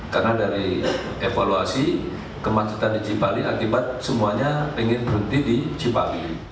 karena dari evaluasi kemacetan di cipali akibat semuanya ingin berhenti di cipali